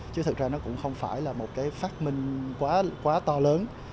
chứ thật ra nó cũng không phải là một cái phát minh quá to lớn